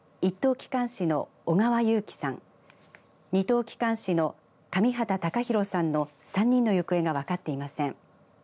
機関士の上畠隆寛さんの３人の行方が分かっていません。